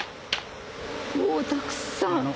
もうたくさん。